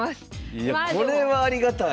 いやこれはありがたい！